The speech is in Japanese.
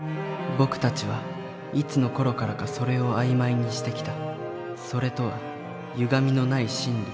僕たちはいつのころからか「それ」を曖昧にしてきた「それ」とはゆがみのない真理